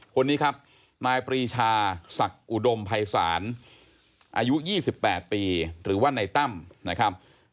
คนนี้ครับนายปรีชาศักดิ์อุดมภัยศาลอายุ๒๘ปีหรือว่านายตั้มนะครับ